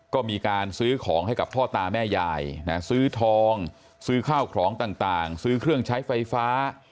ก็มีการซื้อของให้กับพ่อตาแม่ยายซื้อทองซื้อข้าวของต่างซื้อเครื่องใช้ไฟฟ้า